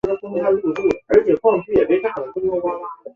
慕容忠之子。